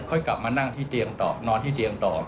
ค่อยกลับมานั่งที่เตียงต่อนอนที่เตียงต่อ